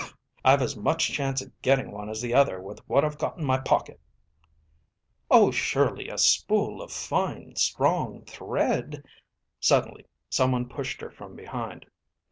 "I've as much chance of getting one as the other with what I've got in my pocket." "Oh, surely a spool of fine, strong thread ..." Suddenly someone pushed her from behind.